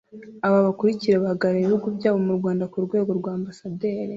aba bakurikira bahagararira ibihugu byabo mu rwanda ku rwego rwa ambasaderi